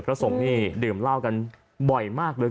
ส่งนี่ดื่มเหล้ากันบ่อยมากเลย